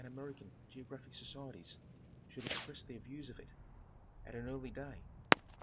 269 American geographic societies should express their views of it at an early day.